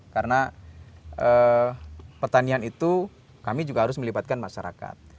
karena pertanian itu kami juga harus melibatkan masyarakat